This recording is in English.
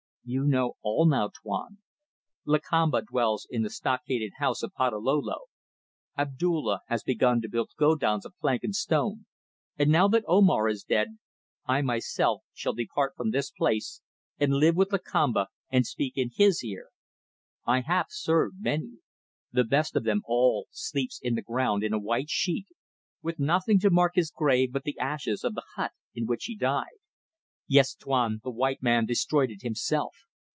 "You know all now, Tuan. Lakamba dwells in the stockaded house of Patalolo; Abdulla has begun to build godowns of plank and stone; and now that Omar is dead, I myself shall depart from this place and live with Lakamba and speak in his ear. I have served many. The best of them all sleeps in the ground in a white sheet, with nothing to mark his grave but the ashes of the hut in which he died. Yes, Tuan! the white man destroyed it himself.